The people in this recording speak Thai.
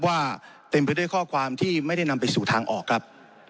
ว่าเต็มไปด้วยข้อความที่ไม่ได้นำไปสู่ทางออกครับ